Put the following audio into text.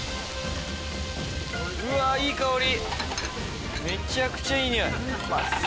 うわーいい香り。